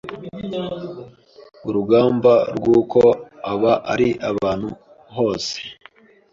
urugamba rw’uko aba ari ahantu hose,